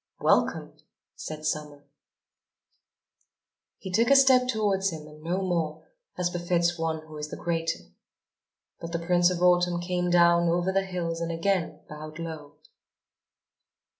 "Welcome!" said Summer. He took a step towards him and no more, as befits one who is the greater. But the Prince of Autumn came down over the hills and again bowed low.